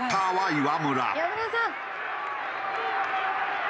岩村さん！